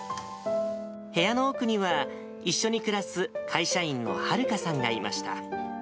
部屋の奥には、一緒に暮らす会社員のはるかさんがいました。